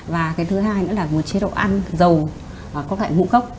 và cái thứ hai nữa là một chế độ ăn giàu có cạnh ngũ gốc